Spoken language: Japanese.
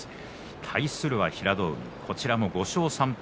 対する平戸海、こちらも５勝３敗